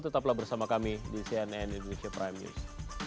tetaplah bersama kami di cnn indonesia prime news